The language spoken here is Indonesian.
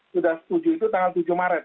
sudah setuju itu tanggal tujuh maret